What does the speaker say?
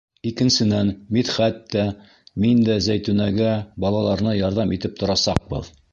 Икенсенән, Мидхәт тә, мин дә Зәйтүнәгә, балаларына ярҙам итеп торасаҡбыҙ.